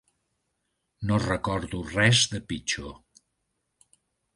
No recordo res de pitjor.